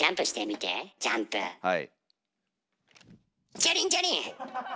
チャリンチャリン。